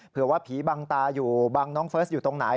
เผื่อว่าผีบังตาอยู่บังน้องเฟิร์สอยู่ตรงไหน